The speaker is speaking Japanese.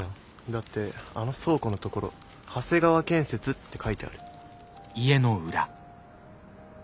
だってあの倉庫のところ「長谷川建設」って書いてある。